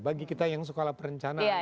bagi kita yang sekolah perencanaan